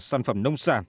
sản phẩm nông sản